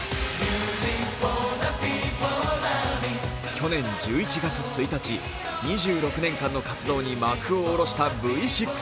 去年１１月１日、２６年間の活動に幕を下ろしたＶ６。